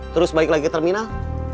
terus balik lagi ke terminal